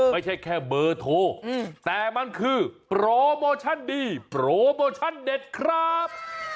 ไม่ใช่แค่เบอร์โทรแต่มันคือโปรโมชั่นดีโปรโมชั่นเด็ดครับ